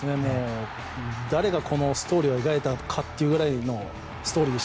誰がこのストーリーを描いたのかというぐらいでした。